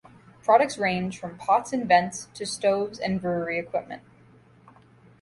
Products ranged from pots and vents to stoves and brewery equipment.